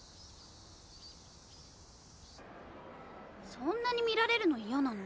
そんなに見られるのイヤなの？